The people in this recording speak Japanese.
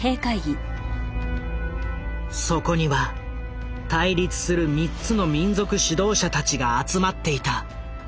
そこには対立する３つの民族指導者たちが集まっていた。